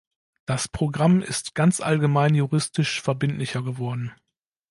Das Programm ist ganz allgemein juristisch verbindlicher geworden.